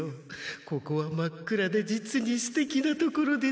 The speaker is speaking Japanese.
ここは真っ暗で実にすてきな所ですから。